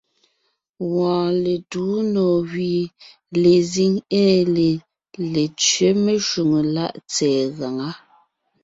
Wɔɔn letuu nò gẅie lezíŋ ée lê Letẅě meshwóŋè láʼ tsɛ̀ɛ gaŋá.